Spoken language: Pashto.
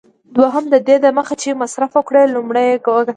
دوهم: ددې دمخه چي مصرف وکړې، لومړی یې وګټه.